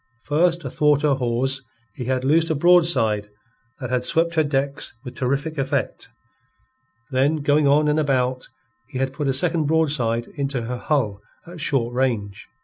First athwart her hawse he had loosed a broadside that had swept her decks with terrific effect, then going on and about, he had put a second broadside into her hull at short range.